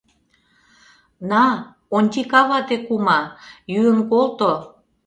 На, Онтика вате кума, йӱын колто!